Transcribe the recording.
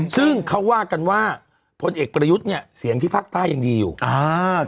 ซึ่งเขาว่ากันว่าพลเอกประยุทธ์เนี่ยเสียงที่ภาคใต้ยังดีอยู่อ่า